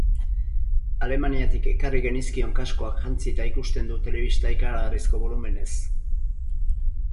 Alemaniatik ekarri genizkion kaskoak jantzita ikusten du telebista ikaragarrizko bolumenez.